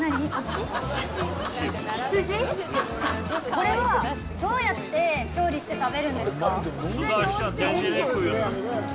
これはどうやって調理して食べるんですか？